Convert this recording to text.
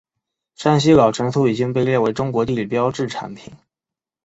山西老陈醋已经被列为中国地理标志产品。